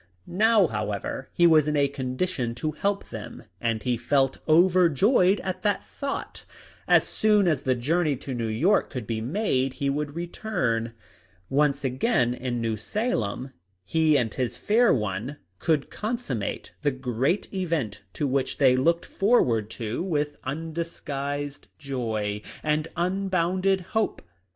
Now, however, he was in a con dition to help them, and he felt overjoyed at the thought. As soon as the journey to New York could be made he would return. Once again in New Salem he and his fair one could consummate the great event to which they looked forward with undisguised joy and unbounded hope.